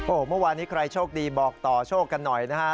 โอ้โหเมื่อวานนี้ใครโชคดีบอกต่อโชคกันหน่อยนะฮะ